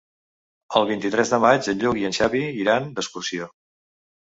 El vint-i-tres de maig en Lluc i en Xavi iran d'excursió.